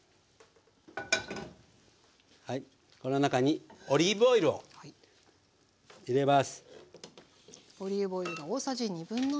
この中にオリーブオイルを入れます。